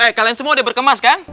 eh kalian semua udah berkemas kan